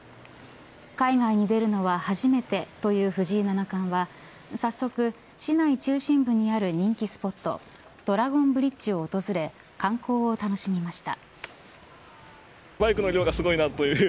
海外に出るの初めてという藤井七冠は早速、市内中心部にある人気スポットドラゴンブリッジを訪れ観光を楽しみました。